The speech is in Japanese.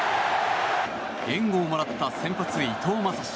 援護をもらった先発、伊藤将司。